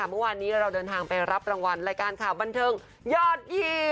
เมื่อวานนี้เราเดินทางไปรับรางวัลรายการข่าวบันเทิงยอดยี่